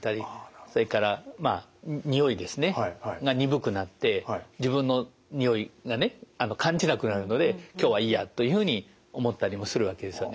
それからまあにおいですねが鈍くなって自分のにおいがね感じなくなるので今日はいいやというふうに思ったりもするわけですよね。